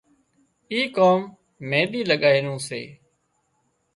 اي ڪام مينۮي لڳايا نُون سي